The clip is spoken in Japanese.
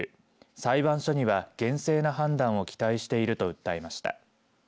裁判所には厳正な判断を期待していると訴えました。